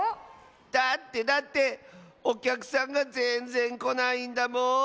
だってだっておきゃくさんがぜんぜんこないんだもん。